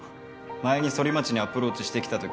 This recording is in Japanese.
前にソリマチにアプローチしてきたとき